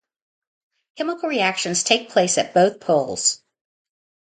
Chemical reactions take place at both poles.